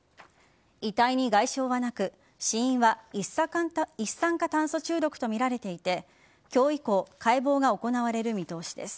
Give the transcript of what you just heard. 遺体に外傷はなく死因は一酸化炭素中毒とみられていて今日以降解剖が行われる見通しです。